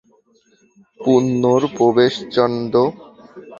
পূর্ণর প্রবেশ চন্দ্র।